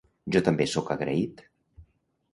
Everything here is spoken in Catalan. Jo també sóc agraït